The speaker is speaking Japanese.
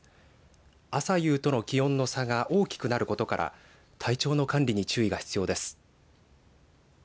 朝夕との気温の差が大きくなることから体調の管理に注意が必要です。